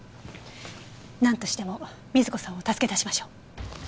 なんとしても瑞子さんを助け出しましょう。